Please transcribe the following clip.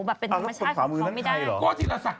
แบบเป็นอมเชากรของเขาไม่ได้